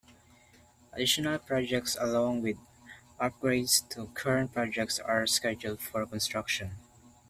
Additional projects along with upgrades to current projects are scheduled for construction.